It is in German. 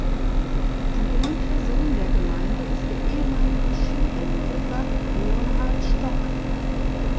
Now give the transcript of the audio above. Ein berühmter Sohn der Gemeinde ist der ehemalige Skirennläufer Leonhard Stock.